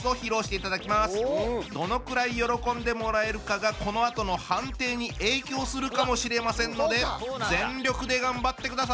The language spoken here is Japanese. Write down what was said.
どのくらい喜んでもらえるかがこのあとの判定に影響するかもしれませんので全力で頑張ってください！